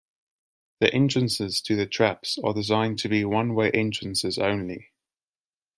The entrances to the traps are designed to be one-way entrances only.